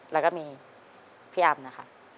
แล้วก็มีพี่อัมนะครับ